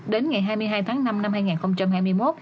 đến ngày hai mươi hai tháng năm năm hai nghìn hai mươi một